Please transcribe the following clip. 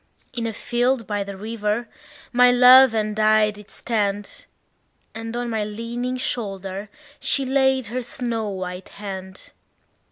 In a field by the river my love and I did stand, And on my leaning shoulder she laid her snow white hand.